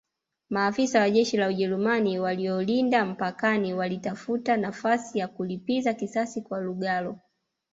Maafisa wa jeshi la Wajerumani waliolinda mpakani walitafuta nafasi ya kulipiza kisasi kwa Lugalo